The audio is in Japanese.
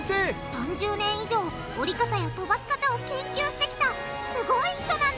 ３０年以上折り方や飛ばし方を研究してきたすごい人なんだ！